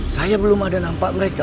saya belum ada nampak mereka